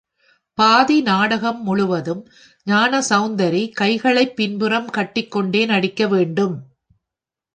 பாதி நாடகம் முழுதும் ஞானசெளந்தரி கைகளைப் பின்புறம் கட்டிக்கொண்டே நடிக்கவேண்டும்.